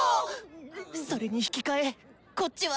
それに引き換えこっちは。